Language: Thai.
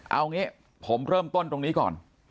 เอางี้ผมเริ่มต้นตรงนี้ก่อน